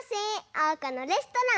おうかのレストラン。